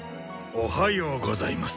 おはようございます。